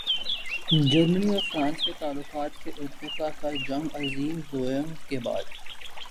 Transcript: جرمنی اور فرانس کے تعلقات کے ارتقاء کا جنگ عظیم دوئم کے بعد۔